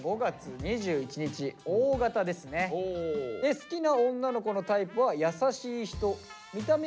好きな女の子のタイプは優しい人。